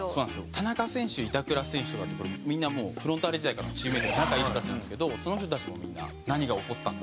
田中選手板倉選手とかみんなもうフロンターレ時代からのチームメートで仲いい人たちなんですけどその人たちもみんな何が起こったんだ？